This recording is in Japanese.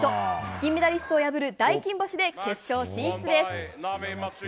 金メダリストを破る大金星で決勝進出です。